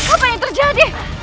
apa yang terjadi